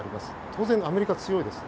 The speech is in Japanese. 当然、アメリカは強いです。